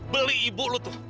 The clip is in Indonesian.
beli ibu lo tuh